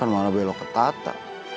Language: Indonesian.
malah belok ke tata